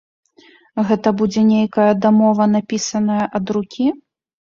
Гэта будзе нейкая дамова, напісаная ад рукі?